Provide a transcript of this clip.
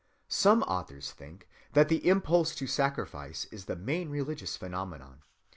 Some authors think that the impulse to sacrifice is the main religious phenomenon.